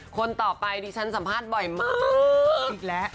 คนต่อไปดิฉันสัมภาษณ์บ่อยมาก